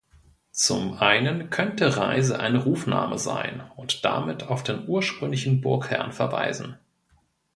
Zum einen könnte "Reise" ein Rufname sein und damit auf den ursprünglichen Burgherrn verweisen.